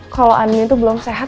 kalau anin tuh belum sehat